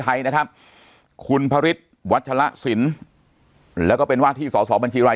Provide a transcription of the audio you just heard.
ไทยนะครับคุณพระฤทธิ์วัชละสินแล้วก็เป็นว่าที่สอสอบัญชีราย